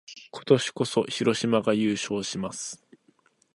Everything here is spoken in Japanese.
今年こそ、広島が優勝します！